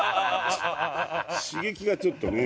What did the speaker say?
刺激がちょっとね。